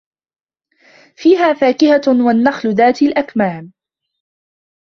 فِيهَا فَاكِهَةٌ وَالنَّخْلُ ذَاتُ الأَكْمَامِ